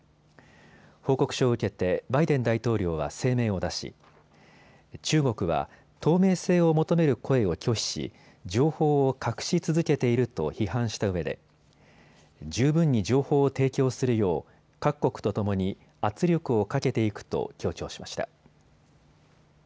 報告書を受けてバイデン大統領は声明を出し中国は透明性を求める声を拒否し、情報を隠し続けていると批判したうえで十分に情報を提供するよう各国とともに圧力をかけていくと強調しました。